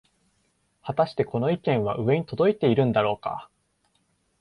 はたしてこの意見は上に届いているんだろうか